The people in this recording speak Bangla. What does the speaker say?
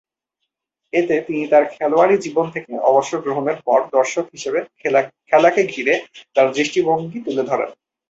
এতে তিনি তার খেলোয়াড়ী জীবন থেকে অবসর গ্রহণের পর দর্শক হিসেবে খেলাকে ঘিরে তার দৃষ্টিভঙ্গী তুলে ধরেন।